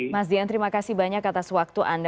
mas dian terima kasih banyak atas waktu anda